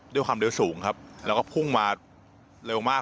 ด้วยความเร็วสูงครับแล้วก็พุ่งมาเร็วมาก